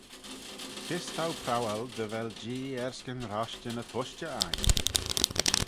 Kys t'ou prowal dy vel Jee erskyn roshtyn y tushtey ain?